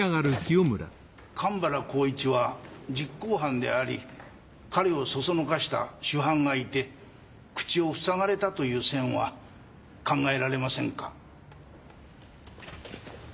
神原孝一は実行犯であり彼を唆した主犯がいて口を塞がれたという線は考えられませんか？